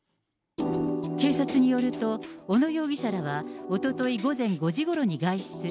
警察によると、小野容疑者らはおととい午前５時ごろに外出。